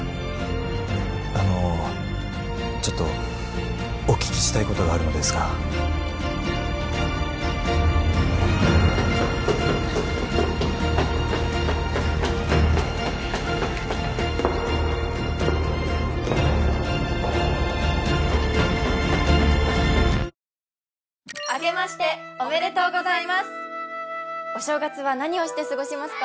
あのちょっとお聞きしたいことがあるのですがあけましておめでとうございますお正月は何をして過ごしますか？